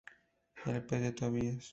El pez de Tobías